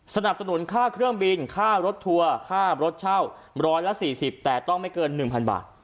สนับสนุนค่าเครื่องบินค่ารถทัวร์ค่ารถเช่า๑๔๐แต่ต้องไม่เกิน๑๐๐บาท